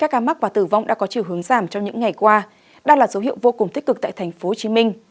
các ca mắc và tử vong đã có chiều hướng giảm trong những ngày qua đã là dấu hiệu vô cùng thích cực tại tp hcm